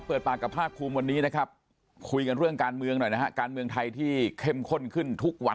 พี่น้องพร้อมไหมคะ